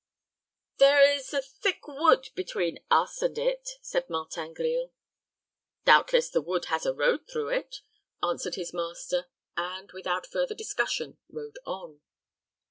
"There is a thick wood between us and it," said Martin Grille. "Doubtless the wood has a road through it," answered his master; and, without further discussion, rode on.